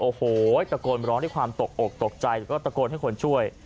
โอ้โหตะโกนร้องด้วยความตกอกตกใจแล้วก็ตะโกนให้คนช่วย